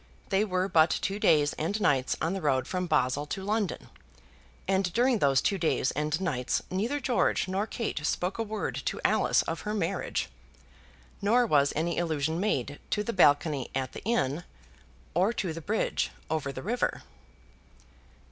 They were but two days and nights on the road from Basle to London; and during those two days and nights neither George nor Kate spoke a word to Alice of her marriage, nor was any allusion made to the balcony at the inn, or to the bridge over the river.